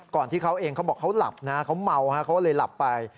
ที่เขาเองเขาบอกเขาหลับนะเขาเมาฮะเขาเลยหลับไป